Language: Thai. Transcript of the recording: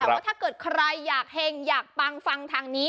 แต่ว่าถ้าเกิดใครอยากเห็งอยากปังฟังทางนี้